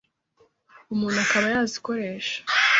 umuntu akaba yazikoresha”.